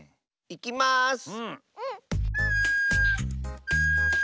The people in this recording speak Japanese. いきます。